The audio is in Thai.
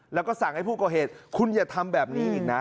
แล้วก็สั่งให้ผู้ก่อเหตุคุณอย่าทำแบบนี้อีกนะ